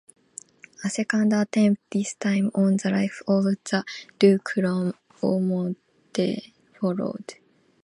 A second attempt, this time on the life of the Duke of Ormonde, followed.